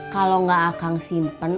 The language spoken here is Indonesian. kalau nggak akang simpen